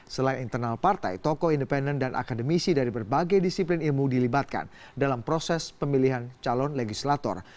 selain internal partai tokoh independen dan akademisi dari berbagai disiplin ilmu dilibatkan dalam proses pemilihan calon legislator